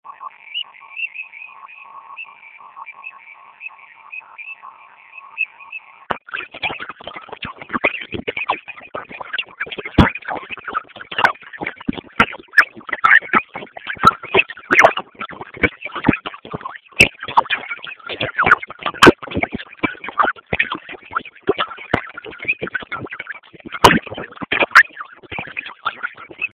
ya asili yanaweza kubaki siri kutoka kwa maoni ya